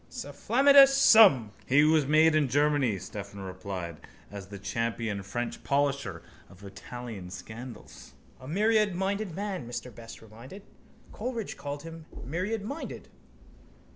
Sufflaminandus sum. —He was made in Germany, Stephen replied, as the champion French polisher of Italian scandals. —A myriadminded man, Mr Best reminded. Coleridge called him myriadminded.